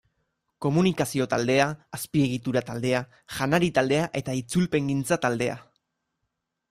Komunikazio taldea, Azpiegitura taldea, Janari taldea eta Itzulpengintza taldea.